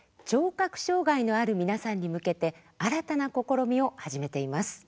聴覚障害のある皆さんに向けて新たな試みを始めています。